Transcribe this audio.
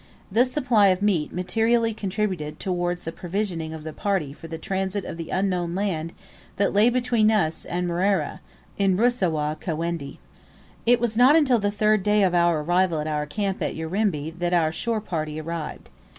This supply of meat materially contributed towards the provisioning of the party for the transit of the unknown land that lay between us and Mrera, in Rusawa, Kawendi. It was not until the third day of our arrival at our camp at Urimba that our shore party arrived.